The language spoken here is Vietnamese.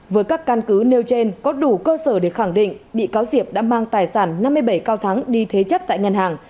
với các căn cứ nêu trên có đủ cơ sở để khẳng định bị cáo diệp đã mang tài sản năm mươi bảy cao thắng đi thế chấp tại ngân hàng